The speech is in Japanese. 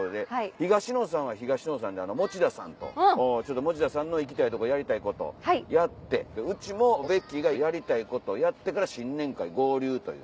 東野さんは東野さんであの持田さんと持田さんの行きたいとこやりたいことやってうちもベッキーがやりたいことをやってから新年会合流という。